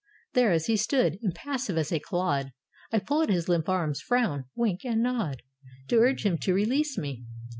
There as he stood, impassive as a clod, I pull at his limp arms, frown, wink, and nod. To urge him to release me.